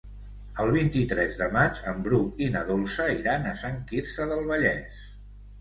El vint-i-tres de maig en Bru i na Dolça iran a Sant Quirze del Vallès.